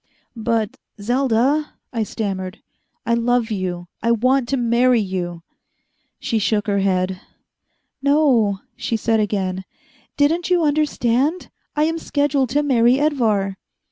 "But Selda!" I stammered, "I love you I want to marry you." She shook her head. "No," she said again, "didn't you understand? I am scheduled to marry Edvar."